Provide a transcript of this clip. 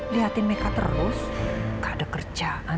lihatin mereka terus gak ada kerjaan